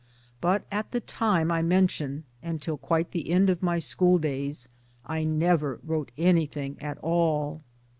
But at the time I mention, and till quite the end of my school days, I never wrote anything at all.